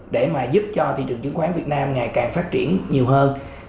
để mà giúp cho thị trường chứng khoán việt nam ngày càng phát triển nhiều hơn